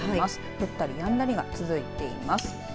降ったりやんだりが続いています。